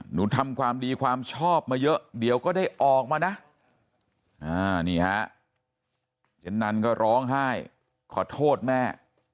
หนูทำความดีความชอบมาเยอะเดี๋ยวก็ได้ออกมานะนี่ฮะเจ๊นันก็ร้องไห้ขอโทษแม่